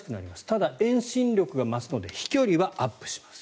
ただ遠心力が増すので飛距離はアップします。